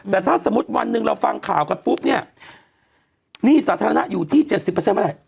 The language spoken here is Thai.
แต่ถ้าสมมุติวันหนึ่งเราฟังข่าวกันปุ๊บเนี่ยหนี้สาธารณะอยู่ที่๗๐เมื่อไหร่